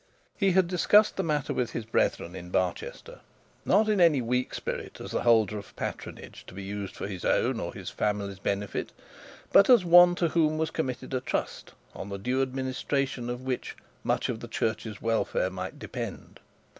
He had discussed the matter with his brethren in Barchester; not in any weak spirit as the holder of patronage to be used for his own or his family's benefit, but as one to whom was committed a trust, on the due administration of which much of the church's welfare might depend.